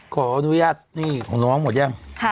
ขออนุญาตหนี้ของน้องหมดยัง